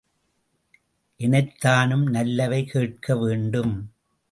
எனைத்தானும் நல்லவை கேட்க, வேண்டும்.